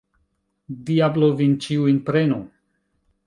Diablo vin ĉiujn prenu!